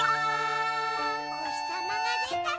「おひさまがでたら」